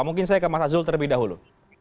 mungkin saya ke mas azul terlebih dahulu